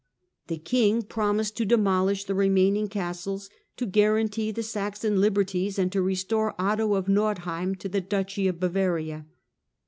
The king promised to demolish the remaining castles, to guarantee the Saxon liberties, and to restore Otto of Nordheim to the duchy of Bavaria.